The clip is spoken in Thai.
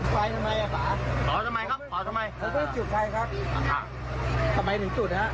แล้วแฟนบอกเป็นคนจุดอ่ะ